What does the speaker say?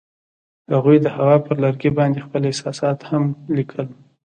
هغوی د هوا پر لرګي باندې خپل احساسات هم لیکل.